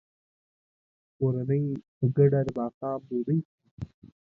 کورنۍ په ګډه د ماښام ډوډۍ خوري.